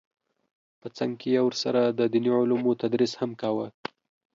په څنګ کې یې ورسره د دیني علومو تدریس هم کاوه